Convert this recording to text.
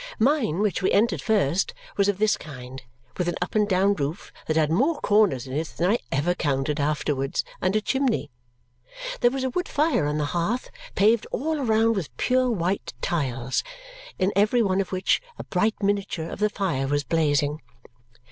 Mine, which we entered first, was of this kind, with an up and down roof that had more corners in it than I ever counted afterwards and a chimney (there was a wood fire on the hearth) paved all around with pure white tiles, in every one of which a bright miniature of the fire was blazing.